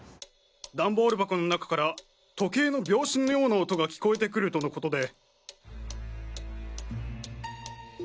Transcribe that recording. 段ボール箱の中から時計の秒針のような音が聞こえてくるとのことで。